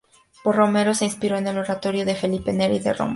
Borromeo se inspiró en el Oratorio de Felipe Neri de Roma.